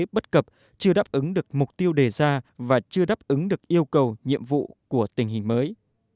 bất cập chưa đáp ứng được mục tiêu đề ra và chưa đáp ứng được yêu cầu nhiệm vụ của tình hình mới